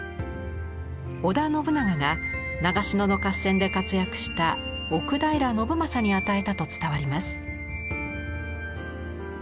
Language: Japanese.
織田信長が長篠の合戦で活躍した奥平信昌に与えたと伝わります。